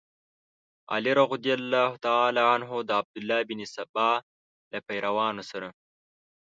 علي رض د عبدالله بن سبا له پیروانو سره.